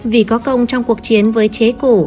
vì có công trong cuộc chiến với chế cổ